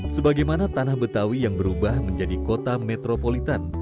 sebagaimana tanah betawi yang berubah menjadi kota metropolitan